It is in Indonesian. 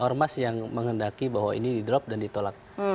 ormas yang menghendaki bahwa ini di drop dan ditolak